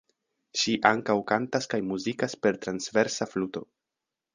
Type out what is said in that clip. Ŝi ankaŭ kantas kaj muzikas per transversa fluto.